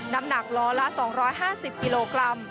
น้ำหนักล้อละ๒๕๐กิโลกรัม